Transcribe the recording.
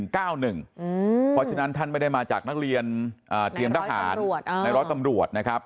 เพราะฉะนั้นท่านไม่ได้มาจากนักเรียนเตรียมทหารในร้อยตำรวจนะครับ